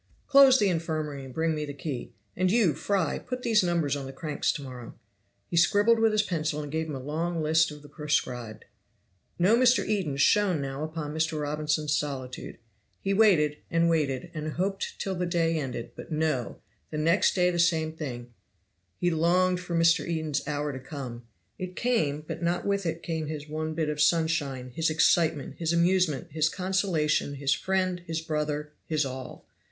"Close the infirmary and bring me the key. And you, Fry, put these numbers on the cranks to morrow." He scribbled with his pencil, and gave him a long list of the proscribed. No Mr. Eden shone now upon Mr. Robinson's solitude. He waited, and waited, and hoped till the day ended, but no! The next day the same thing. He longed for Mr. Eden's hour to come; it came, but not with it came his one bit of sunshine, his excitement, his amusement, his consolation, his friend, his brother, his all.